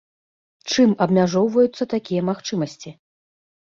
Чым абмяжоўваюцца такія магчымасці?